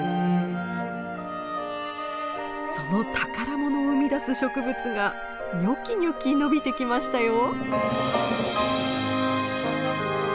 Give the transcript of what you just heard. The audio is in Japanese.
その宝物を生み出す植物がニョキニョキ伸びてきましたよ。